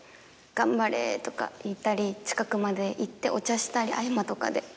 頑張れ！とか言ったり近くまで行ってお茶したり合間とかで。